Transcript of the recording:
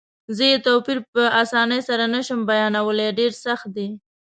زه یې توپیر په اسانۍ سره نه شم بیانولای، ډېر سخت دی.